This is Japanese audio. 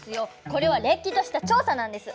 これはれっきとした調査なんです。